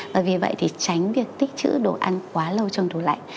và vì vậy thì tránh việc tích chữ đồ ăn quá lâu trong tủ lạnh